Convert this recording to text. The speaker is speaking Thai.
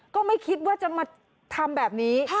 ก็ไม่คิดว่าจะมาทำแบบนี้